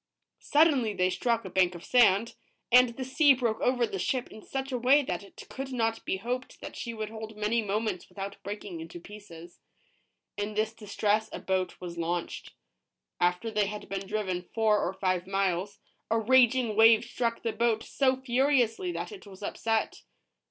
Suddenly they struck a bank of sand, and the sea broke over the ship in such a way that it could not be hoped that she would hold 136 ROBINSON CRUSOE . many moments without breaking into pieces. In this distress a boat was launched. After they had been driven four or five miles, a raging wave struck the boat so furiously that it was upset.